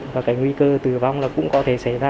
và cái nguy cơ tử vong là cũng có thể xảy ra